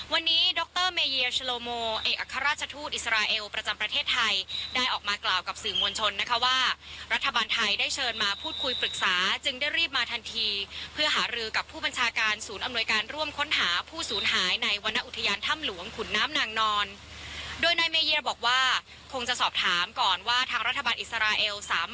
วันนี้ดรเมเยียชโลโมเอกอัครราชทูตอิสราเอลประจำประเทศไทยได้ออกมากล่าวกับสื่อมวลชนนะคะว่ารัฐบาลไทยได้เชิญมาพูดคุยปรึกษาจึงได้รีบมาทันทีเพื่อหารือกับผู้บัญชาการศูนย์อำนวยการร่วมค้นหาผู้สูญหายในวรรณอุทยานถ้ำหลวงขุนน้ำนางนอนโดยนายเมเยียบอกว่าคงจะสอบถามก่อนว่าทางรัฐบาลอิสราเอลสาม